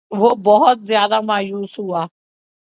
وہ بہت زیادہ مایوس ہوا